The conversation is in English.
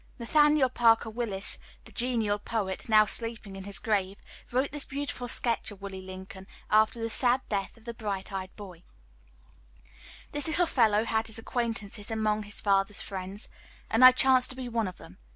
Nathaniel Parker Willis, the genial poet, now sleeping in his grave, wrote this beautiful sketch of Willie Lincoln, after the sad death of the bright eyed boy: "This little fellow had his acquaintances among his father's friends, and I chanced to be one of them.